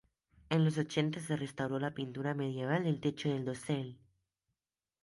En los ochenta, se restauró la pintura medieval del techo del dosel.